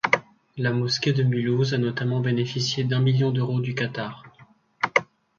La mosquée de Mulhouse a notamment bénéficié d'un million d'euros du Qatar.